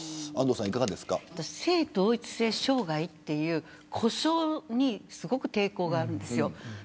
性同一性障害という呼称にすごく抵抗があるんです。